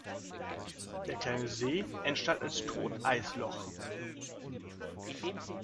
Der kleine See entstand als Toteisloch.